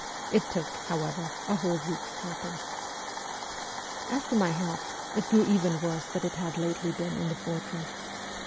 It took, however, a whole week's tapping. As to my health, it grew even worse than it had lately been in the fortress.